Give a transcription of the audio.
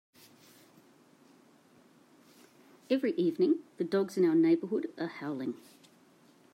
Every evening, the dogs in our neighbourhood are howling.